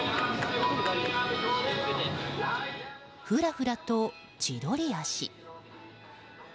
ふらふらと千鳥足。